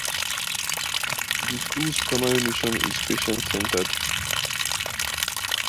The school's primary mission is patient centered.